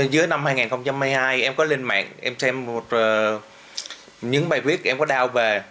giữa năm hai nghìn một mươi hai em có lên mạng em xem những bài viết em có đao về